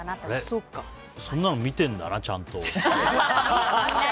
そんなの見てるんだなちゃんと。